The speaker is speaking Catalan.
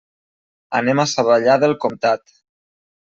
Anem a Savallà del Comtat.